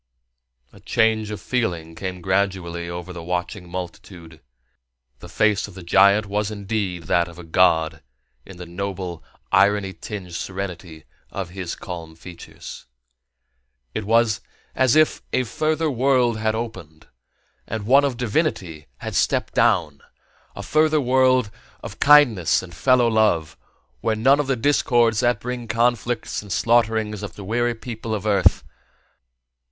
A change of feeling came gradually over the watching multitude. The face of the giant was indeed that of a god in the noble, irony tinged serenity of his calm features. It was if a further world had opened, and one of divinity had stepped down; a further world of kindness and fellow love, where were none of the discords that bring conflicts and slaughterings to the weary people of Earth.